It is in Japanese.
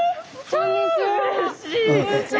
こんにちは。